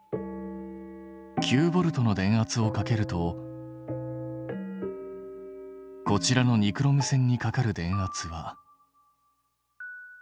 ９Ｖの電圧をかけるとこちらのニクロム線にかかる電圧は。